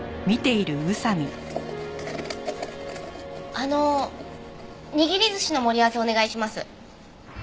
あの握り寿司の盛り合わせお願いします。